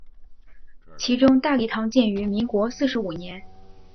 其中大礼堂建于民国四十五年。